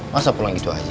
masa pulang gitu aja